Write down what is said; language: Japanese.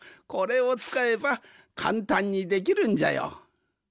これをつかえばかんたんにできるんじゃよ。